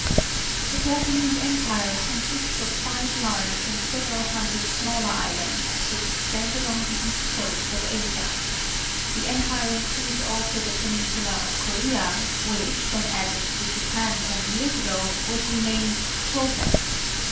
— The Japa nese Empire consists of five large and several hundred smaller islands, which extend along the east coast of Asia. The Empire in cludes also the peninsula of Korea, which, when added to Japan some years ago, was re named Chosen.